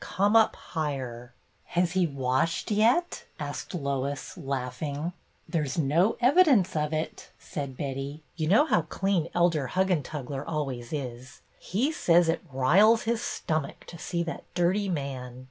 Come up higher." " Has he washed yet ?" asked Lois, laughing. " There is no evidence of it," said Betty. "You know how clean Elder Huggentugler always is. He says it 'riles his stumick' to see that dirty man.